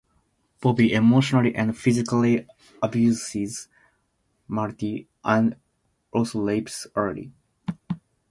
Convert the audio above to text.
Bobby emotionally and physically abuses Marty, and also rapes Ali.